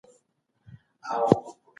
ور زده کړل هغه ته د ژوند نوي مهارتونه.